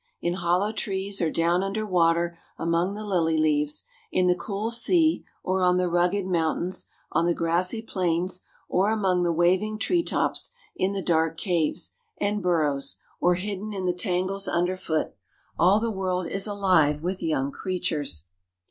In hollow trees or down under water among the lily leaves, in the cool sea or on the rugged mountains, on the grassy plains or among the waving tree tops, in the dark caves and burrows or hidden in the tangles underfoot,—all the world is alive with young creatures.